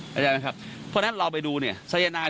เพราะฉะนั้นเราไปดูเนี่ย